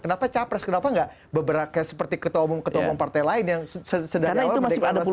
kenapa capres kenapa nggak beberapa seperti ketua umum ketua umum partai lain yang sedang awal mendekatkan rasionalitas capres